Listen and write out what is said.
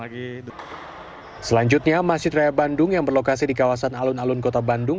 selanjutnya masjid raya bandung yang berlokasi di kawasan alun alun kota bandung